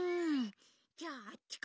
・じゃああっちかな？